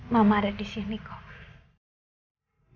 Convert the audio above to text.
mama ada disini kok